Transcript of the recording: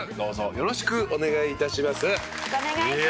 よろしくお願いします。